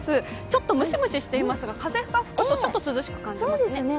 ちょっとムシムシしていますが風が吹くと涼しく感じますね。